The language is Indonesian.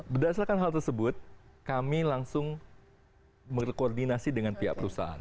berdasarkan hal tersebut kami langsung berkoordinasi dengan pihak perusahaan